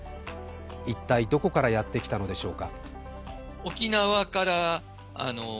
一体どこからやってきたのでしょうか。